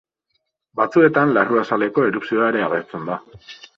Batzuetan larruazaleko erupzioa ere agertzen da.